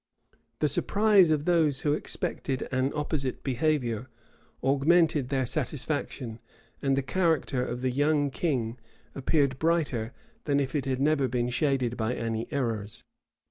The surprise of those who expected an opposite behavior, augmented their satisfaction; and the character of the young king appeared brighter than if it had never been shaded by any errors.